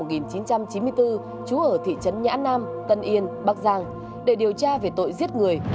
năm một nghìn chín trăm chín mươi bốn trú ở thị trấn nhã nam tân yên bắc giang để điều tra về tội giết người